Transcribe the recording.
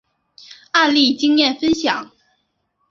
案例经验分享